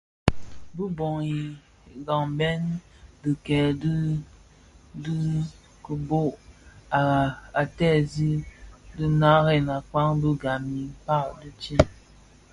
Bi bhon nghabèn dikèè di kiboboo a tsèzii diňarèn akpaň bi gba i kpak dhitin.